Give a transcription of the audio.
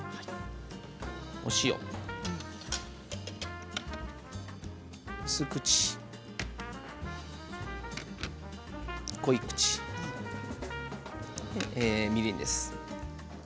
お塩、薄口しょうゆ、濃い口みりんです。